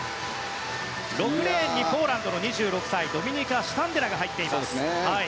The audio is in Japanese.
６レーンにポーランドの２６歳ドミニカ・シュタンデラが入っています。